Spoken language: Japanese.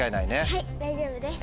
はい大丈夫です。